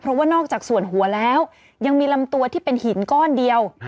เพราะว่านอกจากส่วนหัวแล้วยังมีลำตัวที่เป็นหินก้อนเดียว